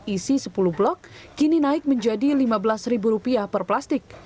isi sepuluh blok kini naik menjadi rp lima belas per plastik